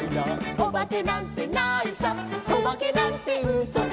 「おばけなんてないさおばけなんてうそさ」